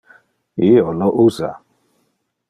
Io lo usa.